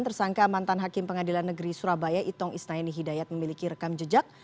tersangka mantan hakim pengadilan negeri surabaya itong isnaini hidayat memiliki rekam jejak